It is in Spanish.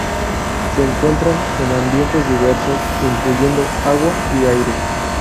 Se encuentran en ambientes diversos, incluyendo agua y aire.